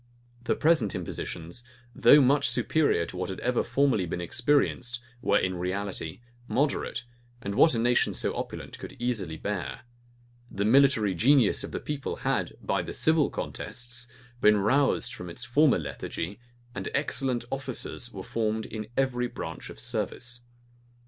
The present impositions, though much superior to what had ever formerly been experienced, were in reality moderate, and what a nation so opulent could easily bear. The military genius of the people had, by the civil contests, been roused from its former lethargy; and excellent officers were formed in every branch of service.